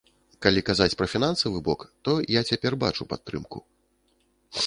Калі казаць пра фінансавы бок, то я цяпер бачу падтрымку.